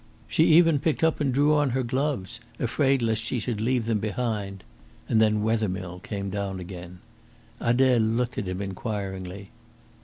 She even picked up and drew on her gloves, afraid lest she should leave them behind; and then Wethermill came down again. Adele looked at him inquiringly.